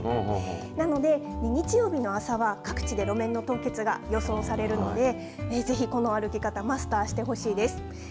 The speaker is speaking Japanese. なので、日曜日の朝は各地で路面の凍結が予想されるので、ぜひこの歩き方、マスターしてほしいです。